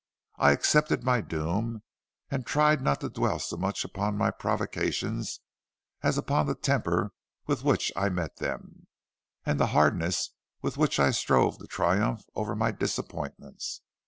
I accepted my doom, and tried not to dwell so much upon my provocations as upon the temper with which I met them, and the hardness with which I strove to triumph over my disappointments.